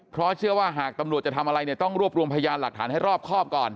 เพราะเชื่อว่าหากตำรวจจะทำอะไรเนี่ยต้องรวบรวมพยานหลักฐานให้รอบครอบก่อน